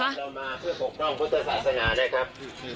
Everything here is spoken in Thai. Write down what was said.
เรามาเพื่อปกป้องพุทธศาสนานะครับ